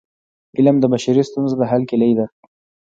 علم د بشري ستونزو د حل کيلي ده.